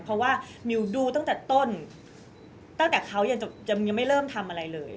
เพราะว่ามิวดูตั้งแต่ต้นตั้งแต่เขายังไม่เริ่มทำอะไรเลย